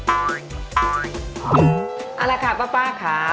เอาละค่ะป้าค่ะ